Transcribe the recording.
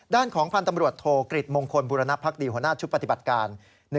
ด้านของพันธ์ตำรวจโทกฤษมงคลบุรณภักดีหัวหน้าชุดปฏิบัติการ